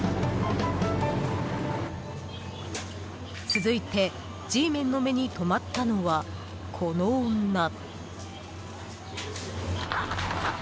続いてＧメンの目に留まったのはこの女。